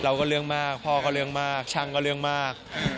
เรื่องมากพ่อก็เรื่องมากช่างก็เรื่องมาก